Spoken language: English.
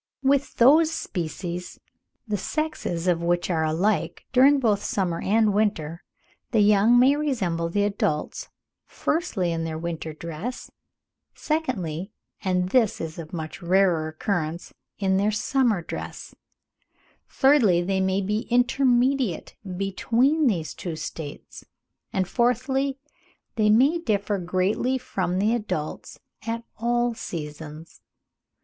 With those species, the sexes of which are alike during both the summer and winter, the young may resemble the adults, firstly, in their winter dress; secondly, and this is of much rarer occurrence, in their summer dress; thirdly, they may be intermediate between these two states; and, fourthly, they may differ greatly from the adults at all seasons.